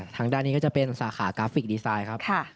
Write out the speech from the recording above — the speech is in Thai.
ทางด้านนี้ก็จะเป็นสาขากราฟิกดีไซน์ครับ